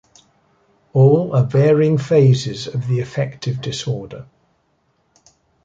All are varying phases of the affective disorder.